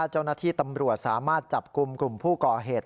เจ้าหน้าที่ตำรวจสามารถจับกลุ่มกลุ่มผู้ก่อเหตุ